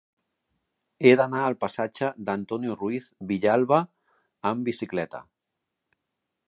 He d'anar al passatge d'Antonio Ruiz Villalba amb bicicleta.